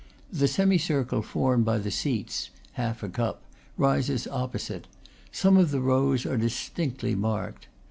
The semicircle formed by the seats half a cup rises opposite; some of the rows are distinctly marked.